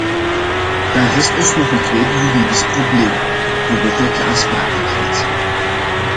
Dan rest ons nog een tweede juridisch probleem: de wettelijke aansprakelijkheid.